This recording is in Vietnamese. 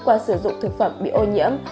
qua sử dụng thực phẩm